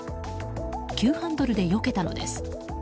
急ハンドルでよけたのです。